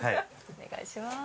お願いしまーす！